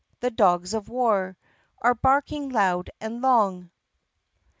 the dogs of war Are harking loud and long!